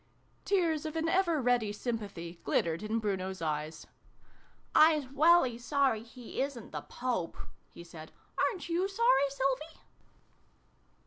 Tears of an ever ready sympathy glittered in Bruno's eyes. " Ps welly sorry he isn't the Pope !" he said. " Aren't you sorry, Sylvie